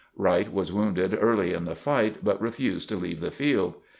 Wright was wounded early in the fight, but refused to leave the field.